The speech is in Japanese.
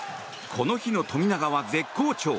この日の富永は絶好調。